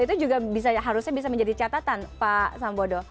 itu juga harusnya bisa menjadi catatan pak sambodo